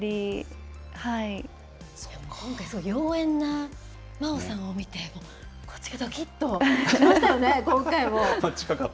今回、妖艶な真央さんを見て、こちらもどきっとしましたよね、今回も。